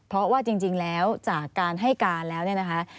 เพราะว่าจริงแล้วจากการให้การแล้วเนี่ยนะคะ